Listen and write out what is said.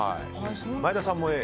前田さんもＡ。